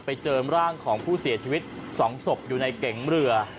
ไปเจอร่างของผู้เสียชีวิต๒ศพอยู่ในเก๋งเรือ